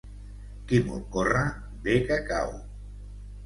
Qui molt corre, ve que cau.